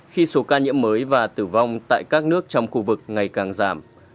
khi số ca nhiễm mới và tử vong tại các nước trong khu vực ngày càng giảm